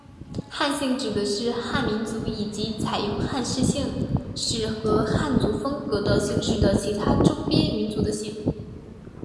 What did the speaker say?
汉姓指的是汉民族以及采用汉族姓氏或汉族风格的姓氏的其他周边民族的姓。